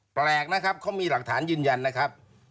แปลกนะครับเขามีหลักฐานยืนยันนะครับ